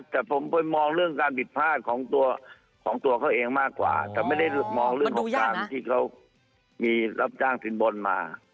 แต่ผมไปมองเรื่องการผิดพลาดของตัวของตัวเขาเองมากกว่าแต่ไม่ได้มองเรื่องของการที่เขามีรับจ้างสินบนมา